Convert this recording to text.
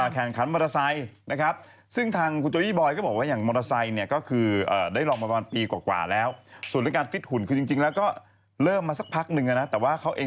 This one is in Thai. เขาบอกว่ามีนักข่าวไปขอสัมภาษณ์เขาเดินออกจากงานเลย